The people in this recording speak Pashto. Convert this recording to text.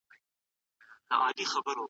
د پير پر مخ ګنډلئ